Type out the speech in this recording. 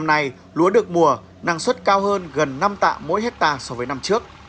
nếu được mùa năng suất cao hơn gần năm tạ mỗi ha so với năm trước